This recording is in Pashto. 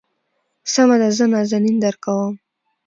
سمه ده زه نازنين درکوم.